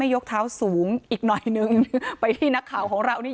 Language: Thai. ยกเท้าสูงอีกหน่อยนึงไปที่นักข่าวของเรานี่